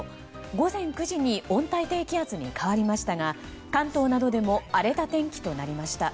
午前９時に温帯低気圧に変わりましたが関東などでも荒れた天気となりました。